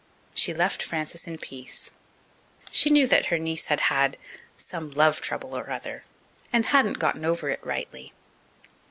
She left Frances in peace. She knew that her niece had had "some love trouble or other," and hadn't gotten over it rightly.